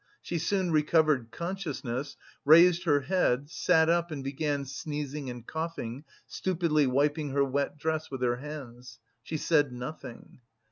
She soon recovered consciousness, raised her head, sat up and began sneezing and coughing, stupidly wiping her wet dress with her hands. She said nothing.